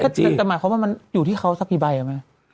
แต่หมายความว่ามันอยู่ที่เขาสักพิไฟครับไหม